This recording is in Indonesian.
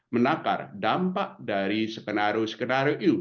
menakar dampak dari skenario skenario